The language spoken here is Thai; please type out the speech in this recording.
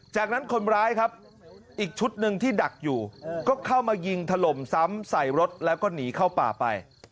จากนั้นคนร้ายครับอีกชุดหนึ่งที่ดักอยู่ก็เข้ามายิงถล่มซ้ำใส่รถแล้วก็หนีเข้าป่าไป